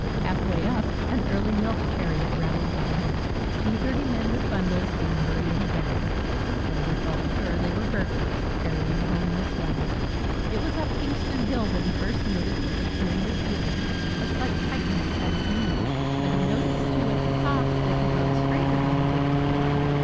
Halfway up, an early milk chariot rattled by him; two dirty men with bundles came hurrying down. Hoopdriver felt sure they were burglars, carrying home the swag. It was up Kingston Hill that he first noticed a peculiar feeling, a slight tightness at his knees; but he noticed, too, at the top that he rode straighter than he did before.